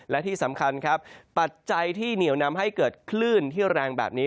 และที่สำคัญครับปัจจัยที่เหนียวนำให้เกิดคลื่นที่แรงแบบนี้